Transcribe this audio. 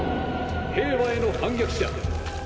平和への反逆者